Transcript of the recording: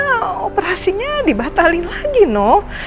iya terpaksa operasinya dibatalin lagi noh